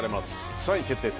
３位決定戦